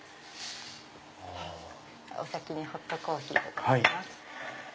お先にホットコーヒーでございます。